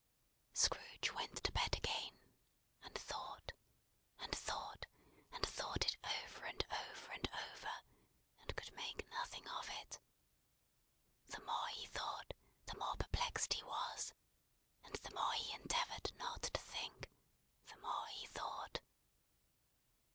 Scrooge went to bed again, and thought, and thought, and thought it over and over and over, and could make nothing of it. The more he thought, the more perplexed he was; and the more he endeavoured not to think, the more he thought.